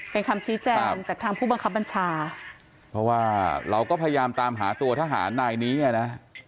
เป็นคำชี้แจงจากทางผู้บังคับบัญชาเพราะว่าเราก็พยายามตามหาตัวทหารนายนี้ไงนะ